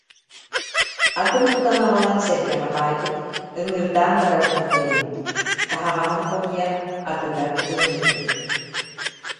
Атын тутан аҕалан сэргэҕэ баайбыт, ыҥыырдаан барардыы тэриммит, таһаҕаһын хомуйан атыгар ыҥыырдыбыт